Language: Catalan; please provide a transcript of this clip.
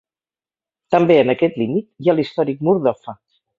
També en aquest límit hi ha l'històric mur d'Offa.